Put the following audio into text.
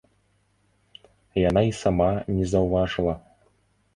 Яна й сама не заўважыла.